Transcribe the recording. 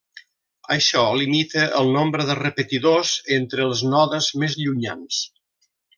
Això limita el nombre de repetidors entre els nodes més llunyans.